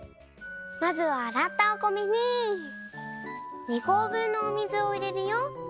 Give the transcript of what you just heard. まずはあらったお米に２合ぶんのお水をいれるよ。